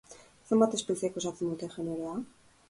Zenbat espeziek osatzen dute generoa?